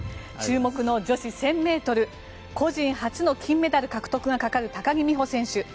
注目の女子１０００ｍ個人初の金メダル獲得がかかる高木美帆選手。